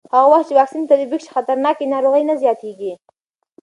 هغه وخت چې واکسین تطبیق شي، خطرناک ناروغۍ نه زیاتېږي.